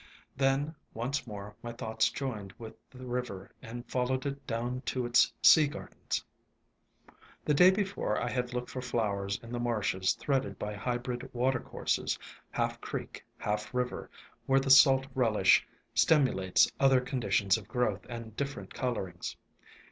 Then once more my thoughts joined with the river, and followed it down to its sea gardens. The day before I had looked for flowers in the marshes threaded by hybrid watercourses, half creek, half river, where the salt relish stimulates other con ditions of growth and different colorings.